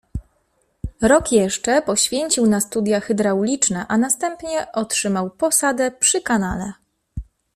Rok jeszcze poświęcił na studia hydrauliczne, a następnie otrzymał posadę przy kanale.